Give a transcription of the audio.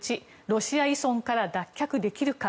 １ロシア依存から脱却できるか。